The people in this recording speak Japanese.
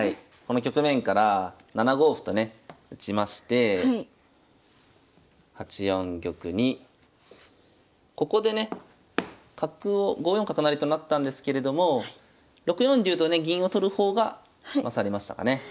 この局面から７五歩とね打ちまして８四玉にここでね角を５四角成となったんですけれども６四竜とね銀を取る方が勝りましたかね。